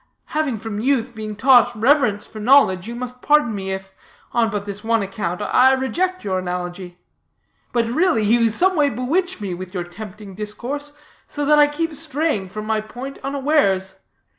Having from youth been taught reverence for knowledge, you must pardon me if, on but this one account, I reject your analogy. But really you someway bewitch me with your tempting discourse, so that I keep straying from my point unawares.